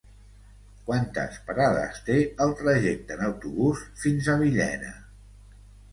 Quantes parades té el trajecte en autobús fins a Villena?